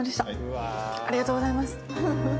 ありがとうございます。